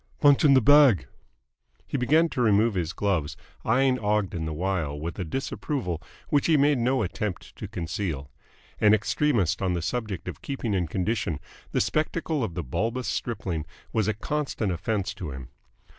"Punchin' the bag." He began to remove his gloves, eyeing Ogden the while with a disapproval which he made no attempt to conceal. An extremist on the subject of keeping in condition, the spectacle of the bulbous stripling was a constant offence to him.